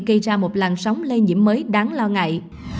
gây ra một làn sóng lây nhiễm mới đáng lo ngại